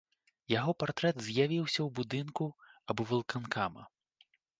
Яго партрэт з'явіўся ў будынку аблвыканкама.